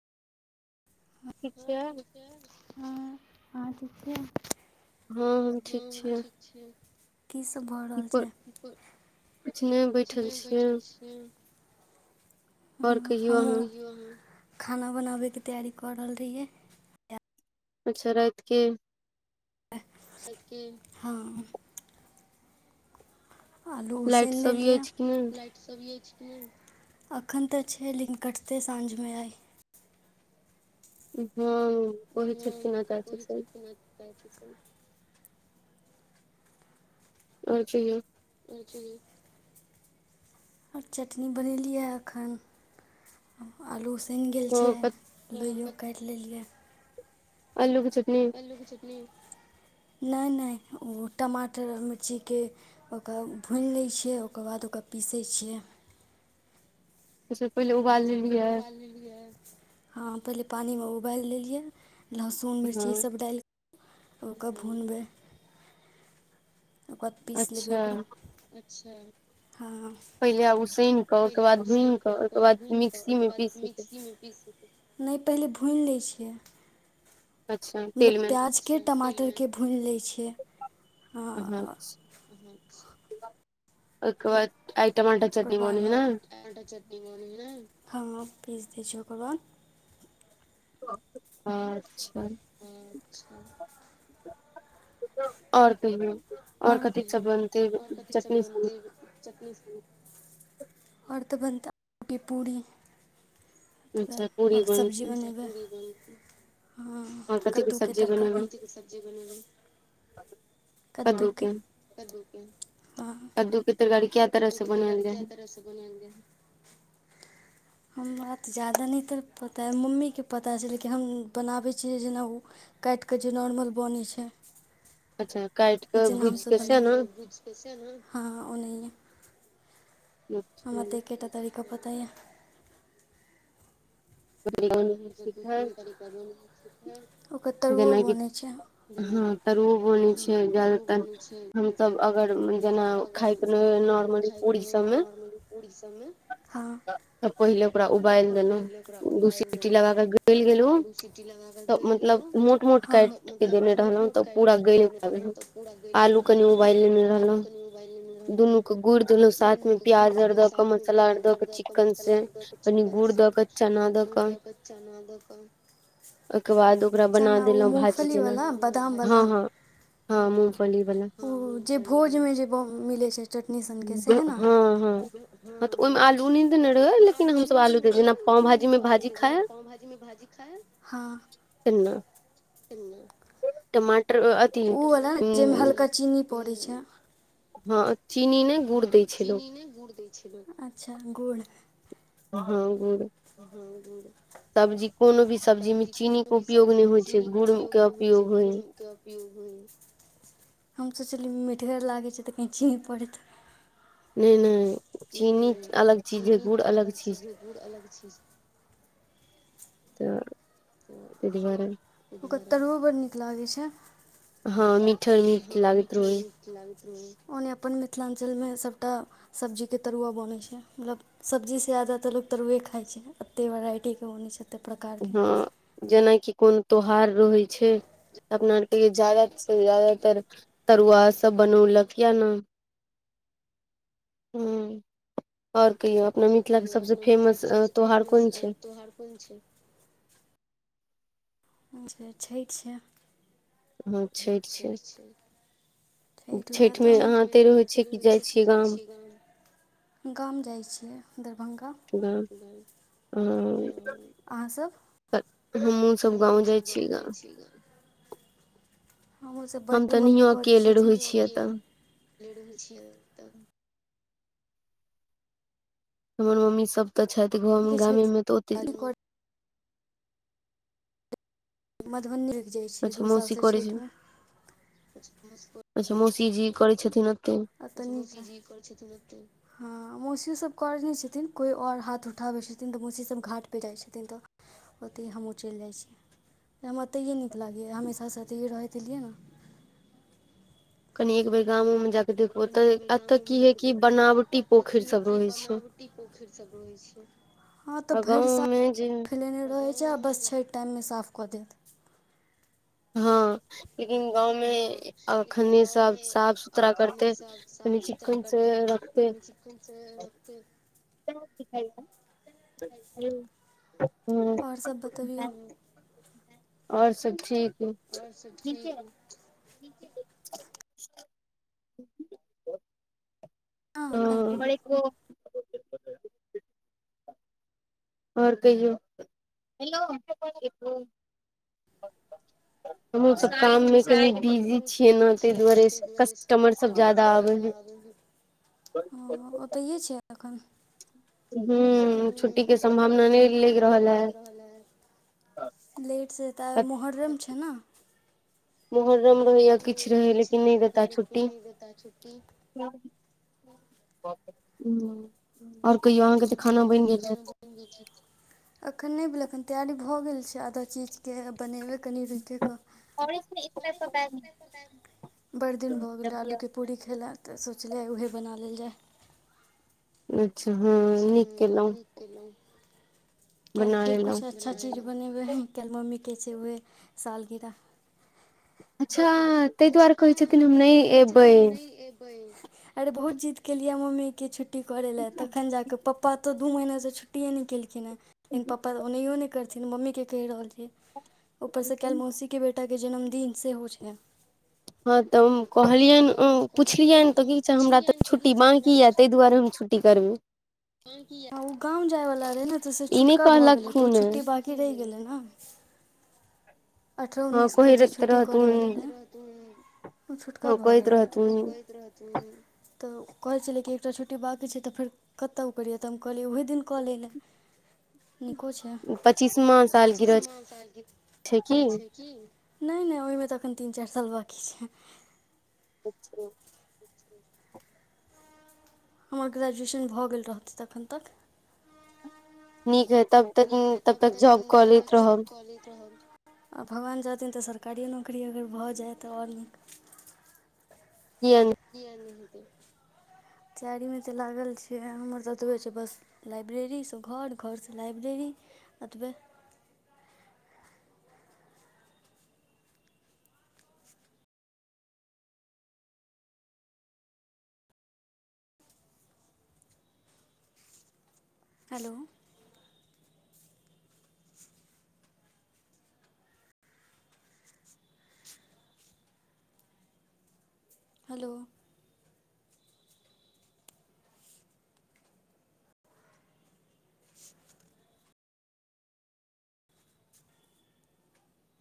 ठिक छियै? हाँ आहाँ ठिक छियै? हँ हम ठीक छियै। की सब भऽ रहल छैय? कुछ नइ बैठल छियै। ह हमहू यह खाना बनाबयके तैयारी कऽ रहल रहियै। अच्छा राइत के? हां आलू उसन लेलियए अखन तक छैय लेकिन कटतै साँझमे आइ। हँ कहै छलखिन हॉ चाची सब। [unintelligible] और कहियो [unintelligible] आ चटनी बनेलियै एखन आलू उसनि गेल छैय लोइयो काटि लेलियै। अलू भ आल्लू क चटनी [unintelligible] नहि नहि ओ टमाटर आओर मिर्चीके ओकरा भूनि लै छियै ओकर बाद ओकर पीसै छियै। अच्छा अच्छह पहिले उबालि लेलियै हँ पहिले पानिमे उबालि लेलियै। लहसुन मिर्ची ईसभ डालि ओकर भुनबै। ओकर बाद पीस लेबै ओकरा। अच्छा हँ पहिले उसानिकऽ ओकर बाद भुनिकऽ ओकर बाद मिक्सी मे पीस नहि पहिले भुनि लै छियै मतलब प्याज के टमाटर के भुइन लैत छियै ह [inaudible] एकर बाद ओकर बाद चटनी पनी मोरय हियै। पीस दै छियै ओकर बाद। अच्छा अच्छा आऔर कहियो [unintelligible] आओर त बनत की पूरी। आओ सब्जी बनेबै ह कद्दूके तरकारीक कथिके सब्जी बनेबै। कद्दूके कद्दू के तरकारी कद्दूके तरकाड़ी कै तरहसँ बना देव। हमरा तऽ जायदा नहि तऽ पता मम्मीके पता छैय लेकिन हम बनाबै छियै जेना ओ क काटिक जे नॉर्मल बनै छैय। अच्छा जेना हम सब बनाबै काटिके भूजके सेन हॉ ओनाहिए हम त एकेटा तड़ीका पता या ओकर दू तीन तरिका बनै छै ओकर तरुओ बने छै ह तरुओ बनै छै एकर हमसब अगर जेना खाय नोरमली पुरी सबमे ह त पहिले ओकरा उबाइल सिट्टी लगा के गल गेलु त मतलब मोट मोट काट के देने रहलहुं तब पू पुरा गैल गेल हन आलू कनी उबाइल लेने रहलू दुनू के गुड़ देल सा साथ मे प्याज आर द क मसाला आर द के चिकन से कनि गुड़ द के चना द क बच्चा न दऽ कऽ चना ओ मूगफलीवला बादामवला हाँ ह ओ जे भोजमे जे मिलै छै चटनी सनके सेह ने ह तऽ ओहि मे आलू नइ देने रहे लेकिन हमस आलू दे जेना पाव भाजी मे भाजी खाय पाव भाजी मे भाजी खाय ह टमाटर ओ अथि उ पड़ै छै हँ हँ चीनी नै गुड़ दैय छेलैय, अच्छा गुड़ हूं। हँ, गुड़। सब्जी कोनो भी सब्जीमे चीनीके उपयोग नै होइ छैय, गुड़के उपयोग होइ। हम सोचलियै मिठगर लागैय छैय त कहीं चीनी पड़ैत होए। नै-नै। नै-नै चीनी अलग चीज हए, गुड़ अलग चीज हए त तइ दुआरे। ह नि मीठ लागैत रहैय हए। ओना अपन मिथिलांचलमे सबटा सब्जी के तरुआ बनैय छैय, मतलब सब्जी से ज्यादा त लोक तरुए खाइ छैय, एत्ते वेराइटी के बनैय छैय। हँ, जेनाकि कोनो त्योहार रहैय छैय। अपना आरके ज्यादासँ-ज्यादा तर तरुआ सब बनौलक येह नै? ह, आओर आओर कहियौ अपना मिथिलाके सभसँ फेमस त्यौहार कोन छैय? छठि छैय। हँ, छठि छैय। छठिमे अहाँ एत्तै रहैय छियैय की जाइ छियैय गाम? गाम जाइ छियैय दरभंगा। ओ अहाँ सब? त हमहूँ सब गाँव जाइ छियैय गाँव। हमरो सब बड़की मम्मी करैय छथिन। अकेले रहैय छियैय अत्त। हमर मम्मी सब त छथि गामे मे त ओतए मधबनी लग जाइ छियैय दू-साल सँ छठिमे। मौसीजी करैय छथिन ओतए। मौसी सब करैय नै छथिन कोइ आओर हाथ उठा दैय छथिन त मौसी सब घाटपर जाइ छथिन त, ओतए हमहूँ चलि जाइ छियैय। हमरा अतहिए नीक लागैए हमेसा सँ अतहिए रहैत एलियै न कनी एक बेर गामो मे जा क कनी एक बेर गामोमे जा क देखबै तब, अत्त की हए की बनावटी पोखरि सब रहैए छैय। हँ त भरि साल फैलौने रहैत छैय आ बस छठि टाइममे साफ क देत। हँ। लेकिन गाँवमे अखने सब साफ-सुथरा करतै कनी चिक्कन सँ कनी चिक्कन सँ रखतै। [inaudible] हँ, आओर सब ठीक हए? ठीके हए। सब ठीके हेतए। हँ। आओर कहियौ? हमहुँ सब काममे कनी बिजी छियैय नै ताहि दुआरे कस्टमर सब ज्यादा आबैय हए। ओ ओतहिए छियैय एखन? ह्म् छुट्टीके सम्भावना नै लागि रहल ऐ। लेटसँ त आइ मोहर्रम छैय न? मुहर्रम रहैय या किछु रहैय, लेकिन नहि देता छुट्टी। बापरौ। हँ, आओर कहियौ अहाँ के त खाना बनि गेल हैत? अखन नै। तैयारी भ गेल छैय नेबैआधा चीज के ब कनी रुकि क बड़ दिन भऽ गेलै आलूके पूरी खायलाक तऽ सोचलियै उएह बना लेल जाय। अच्छा हँ नीक केलहुँ। कैल फेर कुछ अच्छा चीज बनेबै है कैल मम्मी ग छैय ओए सालगीरा [unintelligible] अच्छा ताहि दुआरे कहै छथिन हम नहि एबै। अरे बहुत जीद केलियै मम्मी के छुट्टी करे लए तखन जाकऽ पप्पा पप्पा तो दू महिना से छुटिए नहि केलकिन हे लेकिन पप्पा त ओनायो ने करथिन मम्मी कऽ कहि रहल छथिन उपर सँ काल्हि मौसी के बेटी एकटाके जन्मदिन सेहो छैय। हँ तऽ हम कहलियनि पुछलियनि तऽ की छैय हमरा तऽ छुट्टी बाँकी यए ताहि दुआरे हम छुट्टी करबैय ओ गाम जायवला रहै ने तऽ से छुतका भऽ गेलै तऽ ओ छुट्टी बाँकी रहि गेलै ने [inaudible] अठरह उनैस कऽ जे छुट्टी करैवला रहै ओ छुतका भऽ गेलै औ कहैत रहथिन तऽ कहै छलै कि एकटा छुट्टी बाँकी छैय तऽ फेर कतय ओ करियै तऽ हम कहलियै ओहे दिन कऽ लिय नहि [unintelligible] नीको छैय पच्चीसमा सालगीरह। नहि नहि ओहिमे तऽ एखन तीन चारि साल बाकी छैय। अच्छा हमर ग्रेजुएशन भऽ गेल रहतै तखन तक निक हेतै नीक हैय तब तक तब तक जब कलेत रहल [unintelligible] आ भगवान चाहथिन तऽ सरकारिए नौकरी अगर भऽ जाय तऽ आओर नीक। [unintelligible] [unintelligible] तैयारी मे त लागल छी हमर त एतबे छै बस लाइब्रेरी से घर घर से लाइब्रेरी अतबे [inaudible] हलो हेलो